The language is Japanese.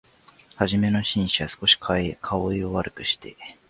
はじめの紳士は、すこし顔色を悪くして、